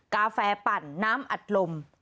กาแฟปั่นน้ำอัดลม